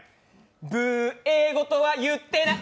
ブー、英語とは言ってない。